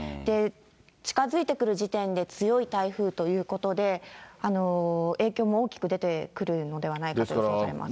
近づいてくる時点で強い台風ということで、影響も大きく出てくるのではないかと予想されます。